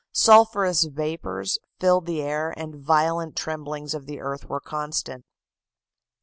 Sulphurous vapors filled the air and violent tremblings of the earth were constant.